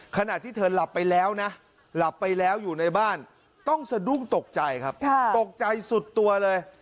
ขณะที่เธอหลับไปแล้วนะหลับไปแล้วอยู่ในบ้านต้องสะดุ้งตกใจครับตกใจสุดตัวเลย